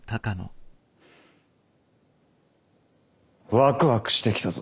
ワクワクしてきたぞ。